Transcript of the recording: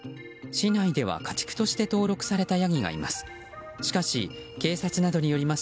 市内では家畜として登録されたヤギがいます。